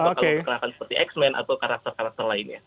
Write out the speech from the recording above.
bakal diperkenalkan seperti x men atau karakter karakter lainnya